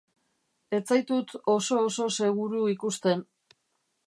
Ez zaitut oso-oso seguru ikusten.